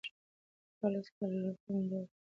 هغه لس کسان له کوم ډول فکري چمتووالي سره راغلي وو؟